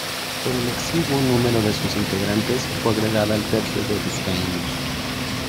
Por el exiguo número de sus integrantes fue agregada al Tercio de Vizcaínos.